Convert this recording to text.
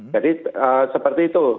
jadi seperti itu